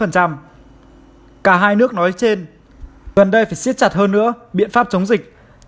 cả hai nước nói trên gần đây phải siết chặt hơn nữa biện pháp chống dịch